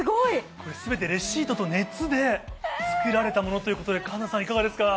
これ、すべてレシートと熱で作られたものということで、環奈さん、いかがですか？